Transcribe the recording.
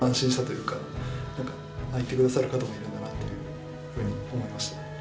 何か言って下さる方もいるんだなというふうに思いました。